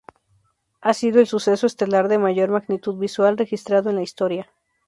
Ha sido el suceso estelar de mayor magnitud visual registrado en la historia.